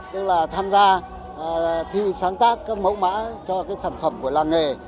tức là tham gia thi sáng tác các mẫu mã cho sản phẩm của làng nghề